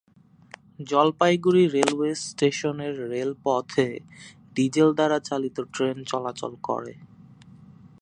Jalpaiguri railway স্টেশনের রেলপথে diesel দ্বারা চালিত ট্রেন চলাচল করে।